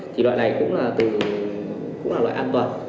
thì loại này cũng là cũng là loại an toàn